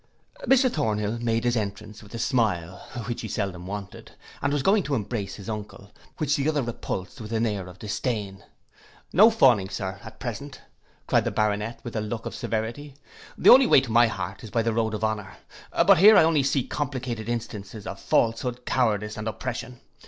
Mr Thornhill made his entrance with a smile, which he seldom wanted, and was going to embrace his uncle, which the other repulsed with an air of disdain. 'No fawning, Sir, at present,' cried the Baronet, with a look of severity, 'the only way to my heart is by the road of honour; but here I only see complicated instances of falsehood, cowardice, and oppression.